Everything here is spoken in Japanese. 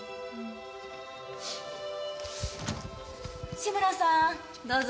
志村さんどうぞ。